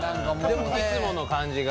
いつもの感じが。